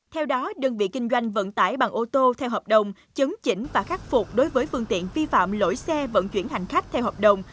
theo đó đơn vị kinh doanh vận tải bằng ô tô theo hợp đồng chấn chỉnh và khắc phục đối với phương tiện vi phạm lỗi xe vận chuyển hành khách theo hợp đồng